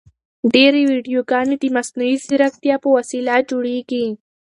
ډېرې ویډیوګانې د مصنوعي ځیرکتیا په وسیله جوړیږي.